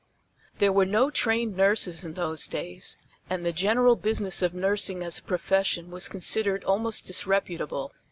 There were no trained nurses in those days, and the general business of nursing as a profession was considered almost disreputable.